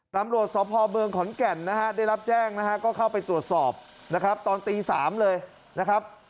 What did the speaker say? ตำรวจสพเมืองขอนแก่นนะฮะได้รับแจ้งนะฮะก็เข้าไปตรวจสอบนะครับตอนตี๓เลยนะครับ